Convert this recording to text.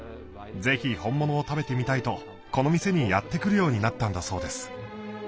ぜひ本物を食べてみたいとこの店にやって来るようになったんだそうです。